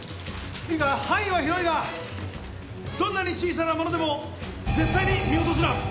いいか範囲は広いがどんなに小さなものでも絶対に見落とすな！